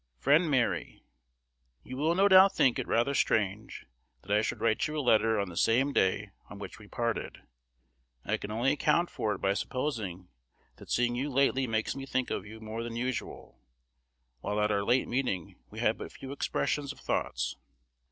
Friend Mary, You will no doubt think it rather strange that I should write you a letter on the same day on which we parted; and I can only account for it by supposing that seeing you lately makes me think of you more than usual; while at our late meeting we had but few expressions of thoughts.